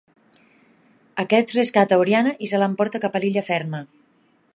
Aquest rescata Oriana i se l'emporta cap a l'Illa Ferma.